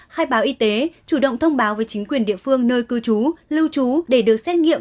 khai báo y tế chủ động thông báo với chính quyền địa phương nơi cư trú lưu trú để được xét nghiệm